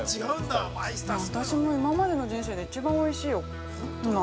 ◆私も今までの人生で一番おいしいよ、今。